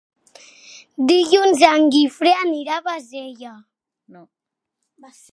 Dilluns en Guifré anirà a Bassella.